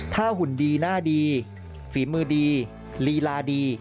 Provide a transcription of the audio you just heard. ถ้าหุ่นดีหน้าดีฝีมือดีลีลาดี